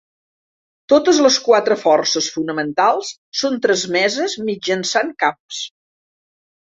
Totes les quatre forces fonamentals són transmeses mitjançant camps.